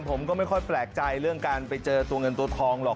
ผมก็ไม่ค่อยแปลกใจเรื่องการไปเจอตัวเงินตัวทองหรอก